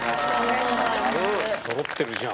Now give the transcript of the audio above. そろってるじゃん。